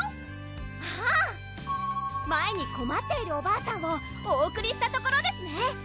あぁ前にこまっているおばあさんをお送りしたところですね！